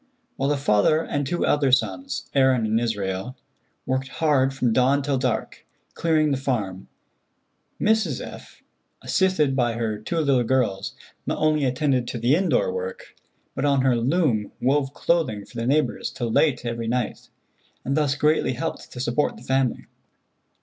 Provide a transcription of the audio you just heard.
While the father and two elder sons, Aaron and Israel, worked hard from dawn till dark, clearing the farm, Mrs. F., assisted by her two little girls, not only attended to the indoor work, but on her loom wove clothing for the neighbors till late every night, and thus greatly helped to support the family.